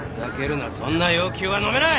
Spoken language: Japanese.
そんな要求はのめない！